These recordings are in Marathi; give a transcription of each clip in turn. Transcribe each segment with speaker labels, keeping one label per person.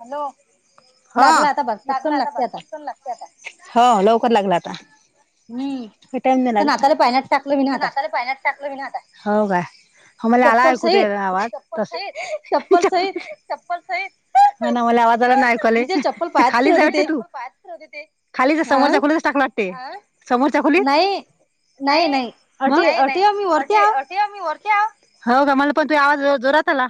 Speaker 1: हॅलो हा लागला आता भापण लाग हो लवकर लागला आता टाइम नाही लागला नाता पाण्यात टाकलंी हो का हो मला आला ऐकूत हवा चप्पल अस चप्पलह हा ना मला आवाजाला ना ऐकले खाली जा वाटते तू खालीच समोरच्या खढच टाकला वाटते समोरच्या खोलीत नाही नाही नाही अट मी र हो का मला पण तू आवाज जोरात आला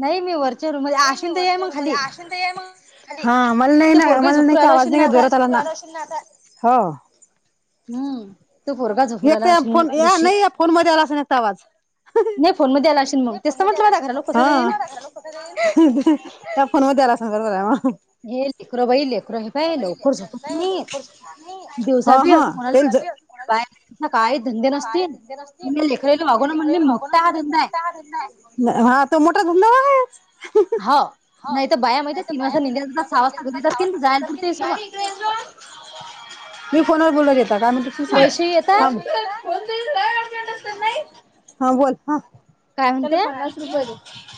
Speaker 2: नाही मी वरच्या रूम मध्ये आशून तर ये मग खाली
Speaker 1: हा मला नाही मला नाही का आवाज नाही का जोरात आला हो एक तर फोन या नाही या फोन मजा आला अस ना आवाज नाही फोन म यालाेल मग हा कठ जाईल त्या फोन मध्ये आला सगय म हा हा हेच
Speaker 2: बा काही धंदे नसतील लेख
Speaker 1: ध हा तो मोठा धुंदावा आहे हो नाही तर बाया माहि तुझ निघ सावा मी फोनवर बोलत यता काय मण तु त सांगांग हा बोल ह त्याला प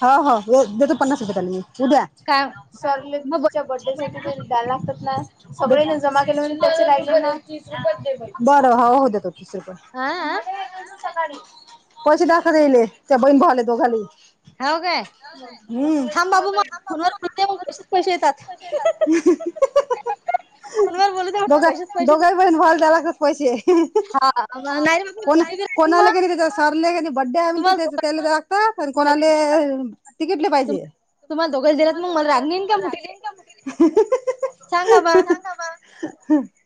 Speaker 1: हो हो देतो पन्स रुपे म उद्या बडे सा द्यायला लागतात ना सगळे जमा केलं म्ह ला बरं हो हो द तो तिसर प
Speaker 2: हा
Speaker 1: पैसे दाखवत येईले त्या बहीण भाले दोघाली
Speaker 2: हो काय
Speaker 1: हम्म दोघा दोघां पर्यंत भाल द्या लागच पैसे कोणा कोणाला कध त्याच्या सरले कध बड्डे आहे म्ह ते त्याला तरी कोणाले तिकटले पाहिजे
Speaker 2: तुम्हाला दोघच दिला मला रागेईन काठ
Speaker 1: [unintelligible]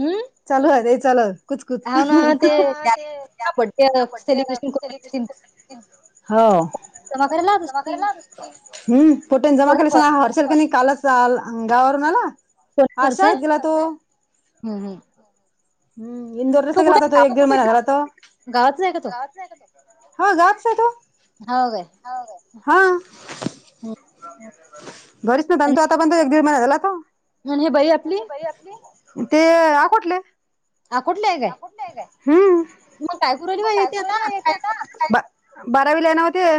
Speaker 2: हमम
Speaker 1: चाल हो ते चाल कुचकुत ते बडे सेलब्रेशन हो
Speaker 2: तर मग खर लात असतील
Speaker 1: हम्म पोटेन जमा के ना हर्षल कनी कालचंगावर मला आशा आहेत गेला तो
Speaker 2: हम हम
Speaker 1: हम् इंदोरलाच गेला तर तो एक दीड महिना झाला तो हो जाातच आहे तो
Speaker 2: हो
Speaker 1: हा. बरीच नाही बत आता पण त एक दीड महि झाला का? तरी बाई असते हा कुठले?
Speaker 2: ह कुठले आहे काय?
Speaker 1: हम्म.
Speaker 2: मग काय करू राहिलेत येते आता? [unintelligible]
Speaker 1: [unintelligible] बारावी ला नावते्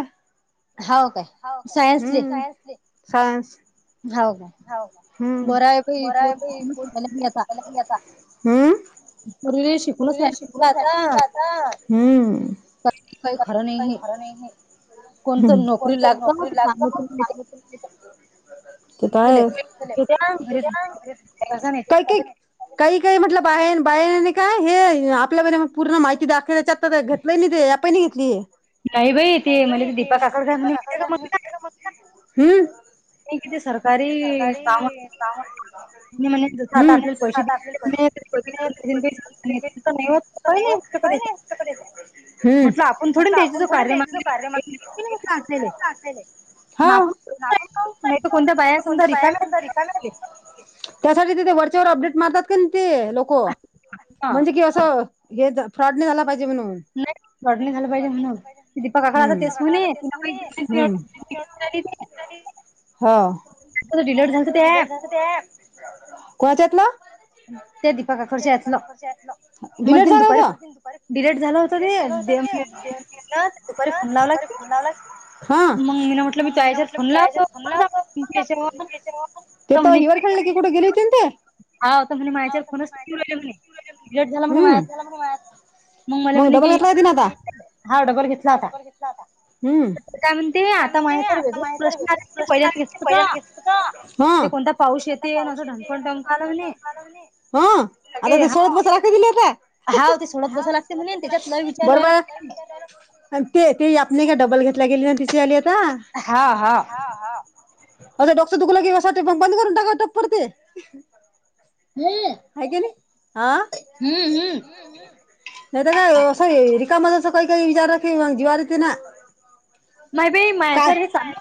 Speaker 1: सायन्स.
Speaker 2: हाव का?
Speaker 1: हव हम्, बर आहे बाई [unintelligible] आता हम्म अरे शिकण का आता? हम्म.
Speaker 2: काही काही खरं नाही हे
Speaker 1: नहीं नहीं कोण तरी नोकरीला लागत [unintelligible] काय काय काय [unintelligible] काही काही म्हटलं बाहे बाहेन काय हे आपल्यामध्ये पूर्ण माहिती दाखवायच्या आता घ दे या पहि नाही घेतली [unintelligible]
Speaker 2: नाही बाई ते म्ह ते दीपा काकड का म्हणूनते का मग [unintelligible] [inaudible]
Speaker 1: हो [inaudible] हम्म. हम [inaudible] सरकारी कामस आता आप कसे [unintelligible] नाही [inaudible] हम. म्हटलं आपण थोड द्यायचं कार्यक्रमात [inaudible] हा, आपण नाही कोणत्या बायासमजा रिकायला [unintelligible] त्यासाठी तिथे वरच्या वर अपडेट मारतात का नाही ते लोक, म्हणजे कि असं हे फ्रॉड नाही झाला पाहिजे म्हणून हम [inaudible] [unintelligible] कधी? हो. कोणाच्या आहेत ना डिलेट झा होतु डलेट झा होत ते [unintelligible] [inaudible]
Speaker 2: ना दुपारी फोन लावला कि, मग मी ना म्हटलं मी तो याच्यावर फोन लावतो
Speaker 1: ते तर हिवरर खेड ले कि कुठे गेले होती ते मा त्याला माह [inaudible] मग डबा घेतला का ती ना आता? हा डबा घेतला आता, हम्म. मि काय म्हणते आता [unintelligible] माहत रे बू कोण पाऊस येते [inaudible] हम. आता ते शोधत बसयला लागते तिले आता? हा शोधात बसायला लागते तिला. बरोबर. [inaudible] ते तेने का डबल घेतल्या गेली ना तिची आली आता.
Speaker 2: हा हा.
Speaker 1: ह हा. माज डोक्स दुखायल असं वाटतं कि बंद करून टाकाव टपकन ते आहेकी नई? नाही तर काय असं रिकामध्ये असं काही काही विचार मग जीवार येते ना
Speaker 2: म बाई माया याच्यावर हे सग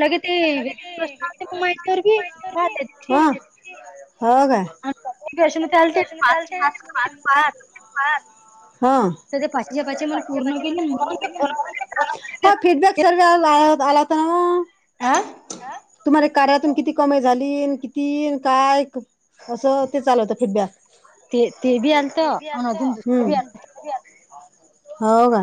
Speaker 2: लगेच
Speaker 1: [unintelligible] हा हो का? ल ते [inaudible] हा. ते पाचिचे पाची मन पूर्ण केले ह फीडबॅक सर आ आलाता नाव [unintelligible]
Speaker 2: आं?
Speaker 1: तुम्हाला कार्यातून किती कमाई झाली? किती काय? कसं ते चाल होतं फिडबॅक. [unintelligible] हो का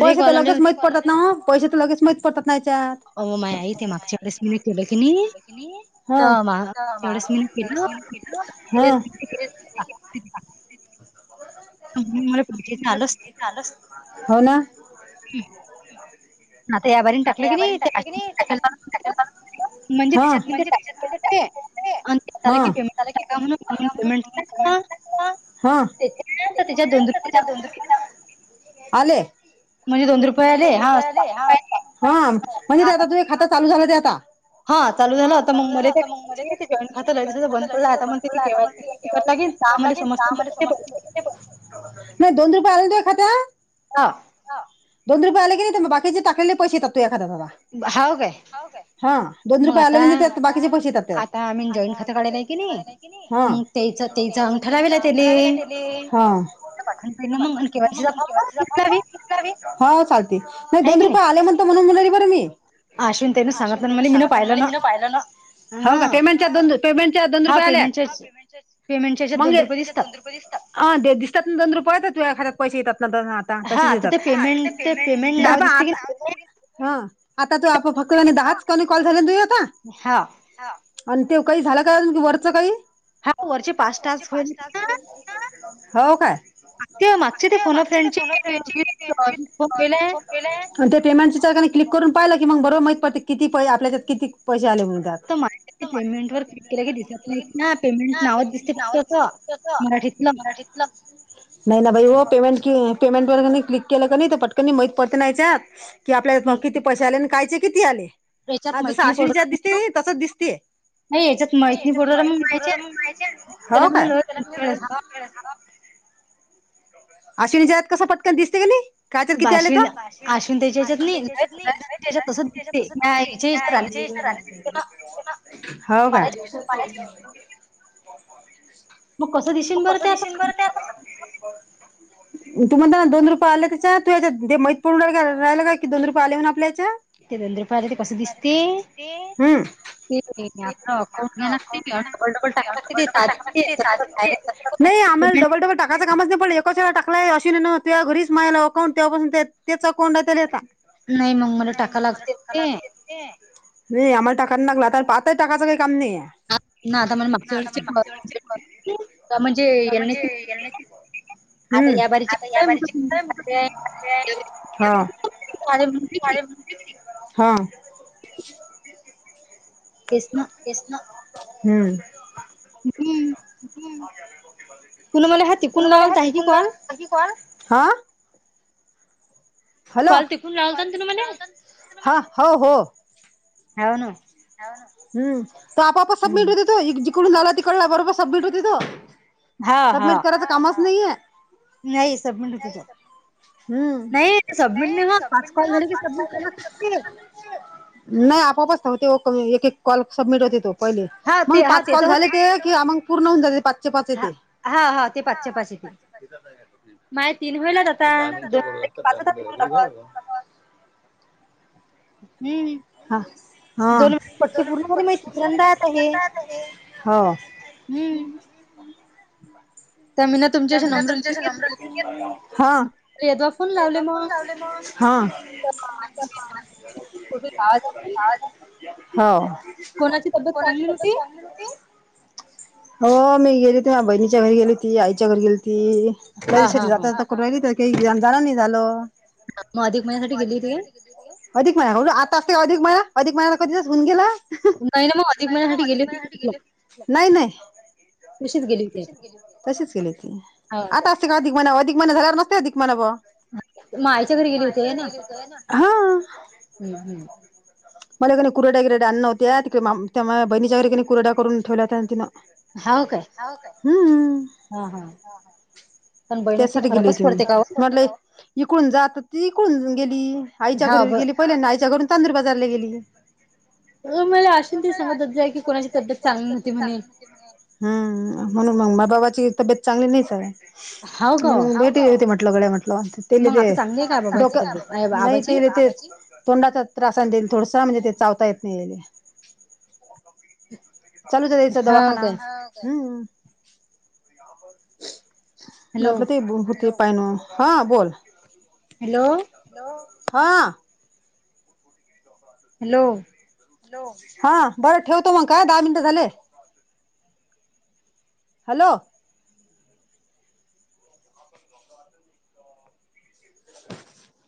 Speaker 1: पैसे तर लगेच माहीत पडतात ना पैसे तर लगेच माहीत पडतात. नच्यात
Speaker 2: अ माय आई ते माग चाळीस मिनिट केलं की नाही तर
Speaker 1: हम्म. हो ना.
Speaker 2: [unintelligible] [unintelligible] [unintelligible] [unintelligible]
Speaker 1: आले.
Speaker 2: म्हणजे दोन रुपये आले हा दोन रुपये आले.
Speaker 1: हा म्हणजे ते आता तुही खातं चालू झालं ते आता.
Speaker 2: हा चालू झालं आता मग म ते जॉईन खात ले बंद आता मग के वाय सी
Speaker 1: म दोन रुपये आले ना तुझ्या खात्यात.
Speaker 2: हा.
Speaker 1: दोन रुपये आले गेले तर बाकीचे टाकले पैसे येतात तू एखाद्यादा
Speaker 2: हाव काय.
Speaker 1: दोन रुपये आले म्हणजे बाकीचे पैसे येतात त्यात. हा हा. हो चालते नाही दोन रुपये आले म्हण [unintelligible] हाऊ का पेमेंटच्या दोन पेमेंटच्या दोन रुपये आल्या मंग येत त्याच्या दोन रुपये द दिसतात दन रुपय येत तु्या ख्यात पैसे येतात ना द तच येतात पेमेंट आ हा आता तू आप फक्त त्यानी दहाच कून कॉल झाले तुझे आता आणि ते काही झालं काय वरचं काही.
Speaker 2: हा वरचे पाच टास्क होईल.
Speaker 1: हो काय.
Speaker 2: [unintelligible]
Speaker 1: त्या पेमेंटची चाराने क्लिक करून पाहिलं की मग बरोबर माहित पडते किती आपल्या त्यात किती पैसे आले म्हणून त्यात.
Speaker 2: तर माझ्या पेमेंट वर क्लिक केलं की दिसत नाहीत ना पेमेंट नावच दिसते फक्त असं.
Speaker 1: [unintelligible] नाही ना भाई हो पेमेंट पेमेंट वर नाही क्लिक केलं क ते पटकननी माहीत पडत ना याच्यात. कि आपल्याला किती पैसे आले आणि कायचे किती आले ह जस अश्विनीच्या दिसते तसच दिसते. हव काय. अश्विनी जत कसं पटकन दिसते कनी. काय तर किती आले त ओ. होव काय. म कसं दिसेल बरं ते आता. तुम्हाला ना दोन रुपये आले तर च तू याच्या माहीत पड का राहिला काय. दोन रुपये आले म्हणून आपल्या याच्यात हम्म. [unintelligible] नाही आम्हाला डबल डबल टाक कागचा कामच नाही प एकाच वेळा टाकय अशी नाही ना त्या घरीच मायला अकाउंट त्यापासून तेच अकाउंट आहे ते आता.
Speaker 2: नाही मग मला टाका लागतील ते.
Speaker 1: नाही आम्हाला टाका लागला ता आताही टाकाचं काही काम नाही ये. आता मला मागच्या वेळचे [unintelligible] म्हणजे [unintelligible]
Speaker 2: आता याबारी [unintelligible] [unintelligible]
Speaker 1: हा.
Speaker 2: तेच न.
Speaker 1: तेच न हम्म.
Speaker 2: हम्म.
Speaker 1: [unintelligible] हा? हॅलो, हा हो हो.
Speaker 2: हाव ना.
Speaker 1: हम्म त्यो आपापच सबमिट होते तो जिकडून झाला तिकडल्या बरोबर सबमिट होतोय त्यो, सबमिट करायच कामच नाहीय.
Speaker 2: नाही सबमिट होतोय त्यो, नाही सबमिट नाही ह पाच कॉल झाले की सबमिट [unintelligible]
Speaker 1: नाही आपआपच होते एक एक कॉल सबमिट होते. पहिले. मग पाच कॉल झाले ते किंवा म पूर्ण होऊन
Speaker 2: हा हा हा ते पाचच्या पाच ते. माय तीन होयल्यात आता. दोन पाचत
Speaker 1: [unintelligible]
Speaker 2: हम्म.
Speaker 1: हा हा,, [unintelligible] हो.
Speaker 2: हम्म. त्या मी ना तुमच्या नंबर [unintelligible] फोन लावले मग.
Speaker 1: हां.
Speaker 2: [unintelligible]
Speaker 1: हाव. कोणाची [unintelligible] हो मी गेली तेव्हा बहिणीच्या घरी गेली होती, आईच्या घरी गेली होती. [unintelligible] जाता जात [unintelligible] झालं नाही झालं. अधिक महिना. [unintelligible] आता असय अधिक महिना, अधिक महिना कधीचाच होऊन गेला. नाही ना मग अधिक महिन्यासाठी गेले मी, नाही नाही.
Speaker 2: खुशीच गेली.
Speaker 1: तसेच गेले ती. आता असते का अधिक महिना, अधिक महिना झाल्यावर नसते अधिक महिना बा.
Speaker 2: मायच्या घरी गेली होती, हाय ना?
Speaker 1: हा.
Speaker 2: हम्म हम्म.
Speaker 1: [unintelligible] मला कणी कुरड्या किरड्या अन्न न्हवत्या, तिकडे त्या बहिणीच्या घरी कणी कुरडा करून ठेवल्या होत्या तिनं.
Speaker 2: हाव काय?
Speaker 1: हाव काय? हम्म.
Speaker 2: हा हा.
Speaker 1: त्यासाठी गेली होती मी. म्हटले इकडून जात ती इकडून गेली. आईच्या घरी गेली पहिल्यांदा आईच्या घरून तांदूर बाजारला गेली.
Speaker 2: अ मला अशुन ते सांगतच जाय की कोणाची तब्येत चांगली नव्हती म्हणे.
Speaker 1: हम्म म्हणून मग माबाबाची तब्येत चांगली नाहीचाय. मग भैट ययती म्हटलं गडे्या म्हटलं. अ तेली तेे डोक नाही तेरे तेर तोंडाचा त्रास देईन थोडसा, म्हणजे ते चावता येत नाहीले. चालूच त्याचां दवाखाना, हम्म. म्हटलं ते हो ते पाहिन, हा बोल.
Speaker 2: हॅलो.
Speaker 1: हॅलो हा.
Speaker 2: हॅलो.
Speaker 1: हॅलो, हा बरं ठेवतो मग काय दहा मिनट झाले. हॅलो. [inaudible]